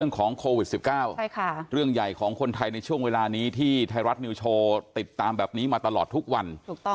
ของโควิด๑๙เรื่องใหญ่ของคนไทยในช่วงเวลานี้ที่ไทยรัฐนิวโชว์ติดตามแบบนี้มาตลอดทุกวัน